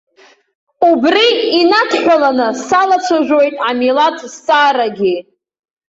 Убри инадҳәаланы салацәажәоит амилаҭ зҵаарагьы.